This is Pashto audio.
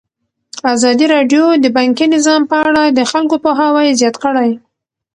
ازادي راډیو د بانکي نظام په اړه د خلکو پوهاوی زیات کړی.